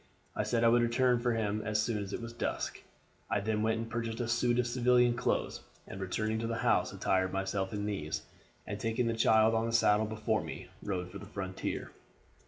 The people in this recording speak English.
I said I would return for him as soon as it was dusk. I then went and purchased a suit of civilian clothes, and returning to the house attired myself in these, and taking the child on the saddle before me, rode for the frontier.